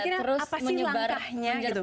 kira kira apa sih langkahnya gitu